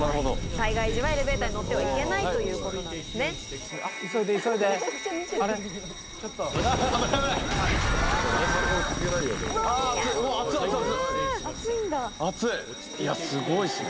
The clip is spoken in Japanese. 災害時はエレベーターに乗ってはいけないということなんですね。